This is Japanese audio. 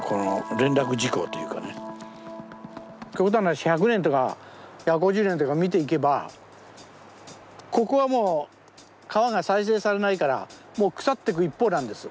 極端な話１００年とか１５０年とか見ていけばここはもう皮が再生されないからもう腐ってく一方なんですよ。